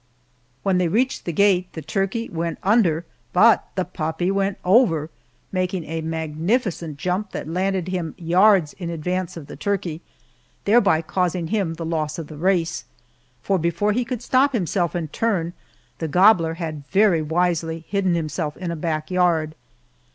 When they reached the gate the turkey went under, but the puppy went over, making a magnificent jump that landed him yards in advance of the turkey, thereby causing him the loss of the race, for before he could stop himself and turn, the gobbler had very wisely hidden himself in a back yard.